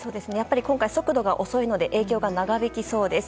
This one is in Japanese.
今回、速度が遅いので影響が長引きそうです。